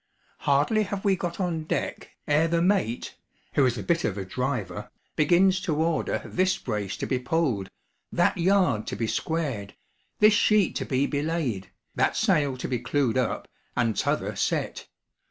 Hardly have we got on deck, ere the mate, who is a bit of a 'driver,' begins to order this brace to be pulled, that yard to be squared, this sheet to be belayed, that sail to be clewed up, and t'other set.